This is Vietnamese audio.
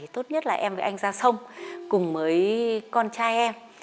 tốt nhất là em với anh ra sông cùng với con trai em